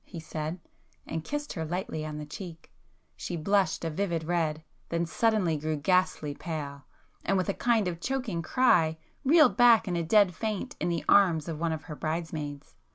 he said, and kissed her lightly on the cheek. She blushed a vivid red,—then suddenly grew ghastly pale,—and with a kind of choking cry, reeled back in a dead faint in the arms of one of her bridesmaids.